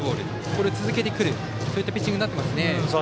これを続けてくるそういったピッチングになっていますね。